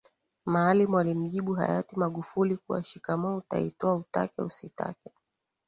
Maalim alimjibu hayati Magufuli kuwa shikamoo utaitoa utake usitake